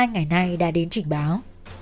hai ngày nay đã đến trình báo